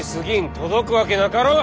届くわけなかろう！